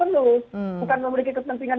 penuh bukan memberi kepentingan